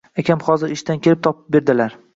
Dadam hozir ishdan kelib topib berdilar